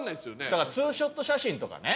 だからツーショット写真とかね